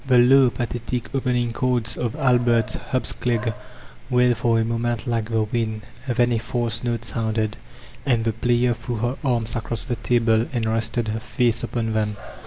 The low, pathetic opening chords of Albert*s "Herbst Klage" wailed for a moment like the wind ; then a false note sounded, and the player threw her anns across the table and rested her face upon them.